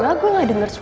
gak gue gak denger suara